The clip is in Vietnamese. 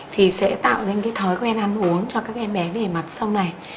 thì sẽ tạo ra những cái thói quen ăn uống cho các em bé về mặt sau này